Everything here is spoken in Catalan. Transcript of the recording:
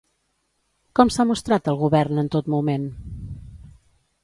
Com s'ha mostrat el govern en tot moment?